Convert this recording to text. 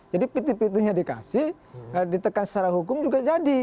jadi piti pitinya dikasih ditekan secara hukum juga jadi